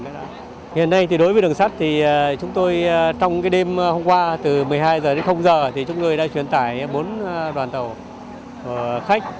cái công tác khắc phục thì hiện nay thì đối với đường sắt thì chúng tôi trong cái đêm hôm qua từ một mươi hai h đến h thì chúng tôi đã truyền tải bốn đoàn tàu khách